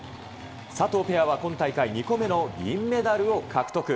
佐藤ペアは今大会２個目の銀メダルを獲得。